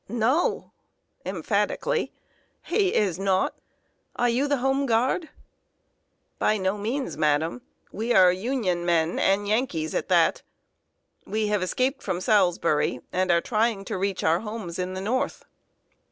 "No!" (emphatically). "He is not! Are you the Home Guard?" "By no means, madam. We are Union men, and Yankees at that. We have escaped from Salisbury, and are trying to reach our homes in the North."